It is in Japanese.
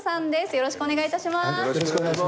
よろしくお願いします。